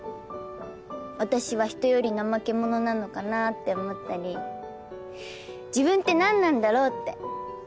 私は人より怠け者なのかなって思ったり自分って何なんだろうって。